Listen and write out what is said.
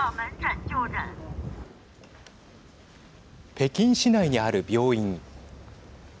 北京市内にある病院。